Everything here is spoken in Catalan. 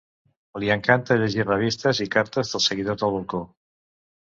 Li encanta llegir revistes i cartes dels seguidors al balcó.